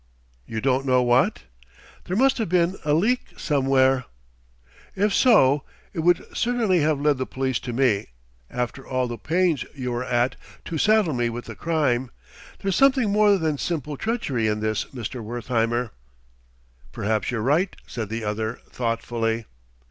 "You don't know what?" "There must have been a leak somewhere " "If so, it would certainly have led the police to me, after all the pains you were at to saddle me with the crime. There's something more than simple treachery in this, Mr. Wertheimer." "Perhaps you're right," said the other thoughtfully.